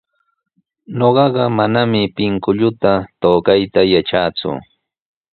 Ñuqa manami pinkulluta tukayta yatraaku.